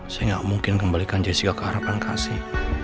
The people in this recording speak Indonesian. saya gak mungkin kembalikan jessy ke harapan kasih